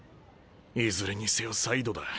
いずれにせよサイドだ。